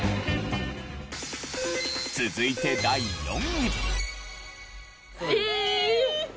続いて第４位。